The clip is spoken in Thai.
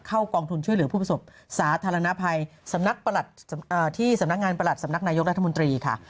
กองทุนช่วยเหลือผู้ประสบสาธารณภัยสำนักที่สำนักงานประหลัดสำนักนายกรัฐมนตรีค่ะ